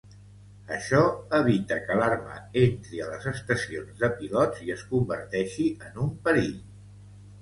Això evita que l'arma entri a les estacions de pilots i es converteixi en un perill.